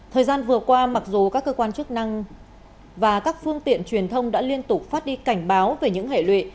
thời gian vừa qua mặc dù các cơ quan chức năng và các phương tiện truyền thông đã liên tục phát đi cảnh báo về những hệ lụy